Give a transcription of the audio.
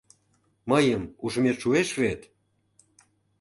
Мыйым ужмет шуэш вет?